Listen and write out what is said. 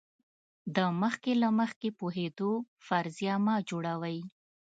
د مخکې له مخکې پوهېدو فرضیه مه جوړوئ.